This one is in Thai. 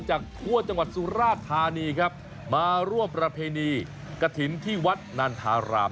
จากทั่วจังหวัดสุราธานีครับมาร่วมประเพณีกระถิ่นที่วัดนันทาราม